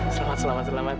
selamat selamat selamat